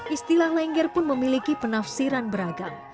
istilah lengger pun memiliki penafsiran beragam